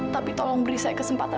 tapi tolong beri saya kesempatan